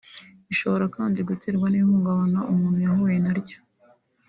Ishobora kandi guterwa n’ihungabana umuntu yahuye na ryo